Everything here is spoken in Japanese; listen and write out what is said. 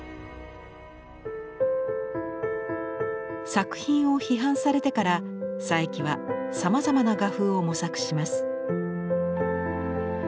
作品を批判されてから佐伯はさまざまな画風を模索します。